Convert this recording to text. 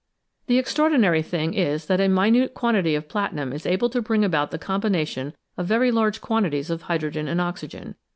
The 333 SMALL CAUSES; GREAT EFFECTS extraordinary thing is that a minute quantity of platinum is able to bring about the combination of very large quantities of hydrogen and oxygen.